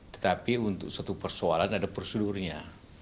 tetapi untuk satu persoalan ada prosedurnya